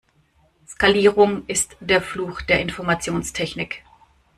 Skalierung ist der Fluch der Informationstechnik.